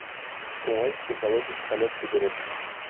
Уңай психологик халәт тудыру.